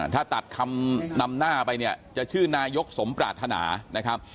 ถ้าตัดคำนำหน้าไปเนี่ยจะชื่อนายกสมปรารถนานะครับ